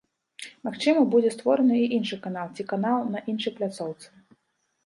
Магчыма, будзе створаны і іншы канал ці канал на іншай пляцоўцы.